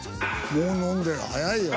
もう飲んでる早いよ。